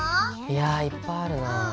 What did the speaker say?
いやいっぱいあるなぁ。